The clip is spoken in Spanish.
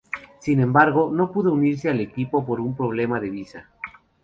Sin embargo, no pudo unirse al equipo por un problema de visa.